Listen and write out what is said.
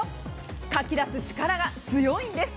かき出す力が強いんです。